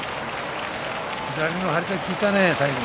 左の張り手が効いたね最後。